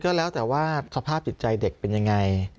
ก็แล้วแต่ว่าสภาพจิตใจเด็กเป็นยังไง